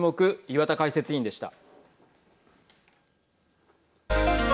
岩田解説委員でした。